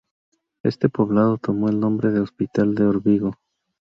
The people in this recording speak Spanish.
Este poblado tomó el nombre de Hospital de Órbigo.